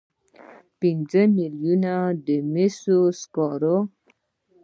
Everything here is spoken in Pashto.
پنځه میلیونه د مسو سکې.